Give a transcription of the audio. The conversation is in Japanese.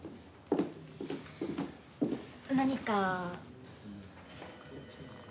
何か。